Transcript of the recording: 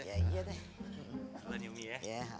selamat ya umi ya